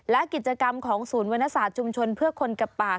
และกิจกรรมของศูนย์วรรณศาสตร์ชุมชนเพื่อคนกับปาก